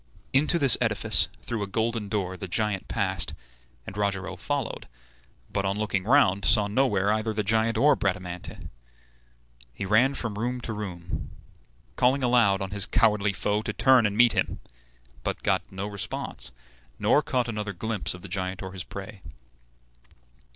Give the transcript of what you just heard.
Into this edifice, through a golden door, the giant passed, and Rogero followed; but, on looking round, saw nowhere either the giant or Bradamante. He ran from room to room, calling aloud on his cowardly foe to turn and meet him; but got no response, nor caught another glimpse of the giant or his prey.